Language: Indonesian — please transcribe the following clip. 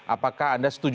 apakah anda setuju